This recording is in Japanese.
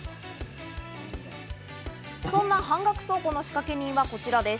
そんな半額倉庫の仕掛け人はこちらです。